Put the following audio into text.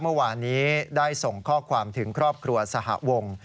เมื่อวานนี้ได้ส่งข้อความถึงครอบครัวสหวง